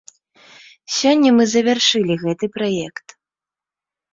Сёння мы завяршылі гэты праект.